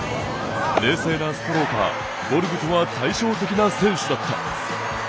冷静なストローカーボルグとは対照的な選手だった。